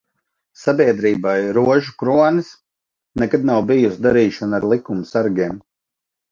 Sabiedrībai "Rožu kronis" nekad nav bijusi darīšana ar likuma sargiem.